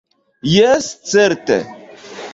Jes, certe.